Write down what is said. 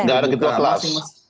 gak ada gitu